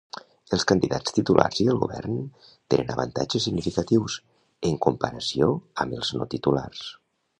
Els candidats titulars i el govern tenen avantatges significatius en comparació amb els no titulars.